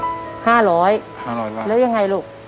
๕๐๐บาทแล้วยังไงลูก